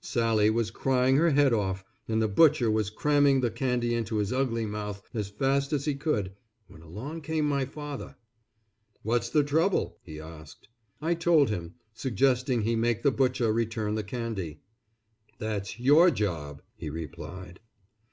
Sally was crying her head off, and the Butcher was cramming the candy into his ugly mouth as fast as he could, when along came my father. "What's the trouble?" he asked. I told him, suggesting he make the Butcher return the candy. "That's your job," he replied.